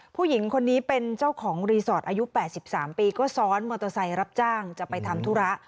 ผู้หญิงคนนี้เป็นเจ้าของรีสอร์ทอายุ๘๓ปีก็ซ้อนมอเตอร์ไซค์รับจ้างจะไปทำธุระ